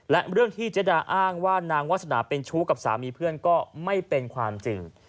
และเรื่องที่เจดาอ้างว่านางวาสนาเป็นชู้กับสามีเพื่อนก็ไม่เป็นความจริง